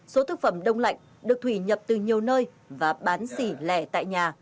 số thực phẩm đông lạnh được thủy nhập từ nhiều nơi và bán xỉ lẻ tại nhà